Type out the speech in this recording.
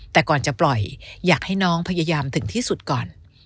แต่ก่อนจะปล่อยอยากให้น้องพยายามถึงที่สุดก่อน